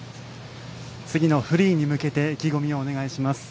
次のフリーに向けて意気込みをお願いします。